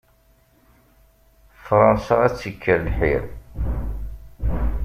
Fransa ad tt-ikker lḥir.